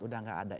sudah gak ada